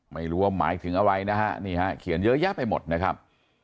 หมายถึงอะไรนะฮะนี่ฮะเขียนเยอะแยะไปหมดนะครับ